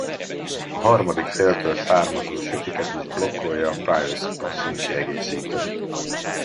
A harmadik féltől származó sütiket is blokkolja a Privacy Possum kiegészítő.